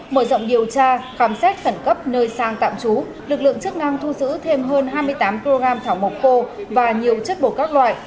mở rộng điều tra khám xét khẩn cấp nơi sang tạm trú lực lượng chức năng thu giữ thêm hơn hai mươi tám kg thảo mộc khô và nhiều chất bột các loại